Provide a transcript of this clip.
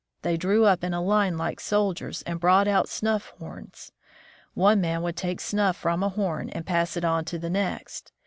They drew up in a line like soldiers, and brought out snuff horns. One man would take snuff from a horn, and pass it on to the next.